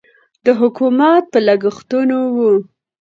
د حکومت په لګښتونو و.